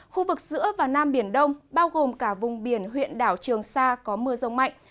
khu vực giữa và nam biển đông bao gồm cả vùng biển huyện đảo trường sa có mưa rông mạnh